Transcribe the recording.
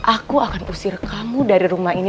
aku akan usir kamu dari rumah ini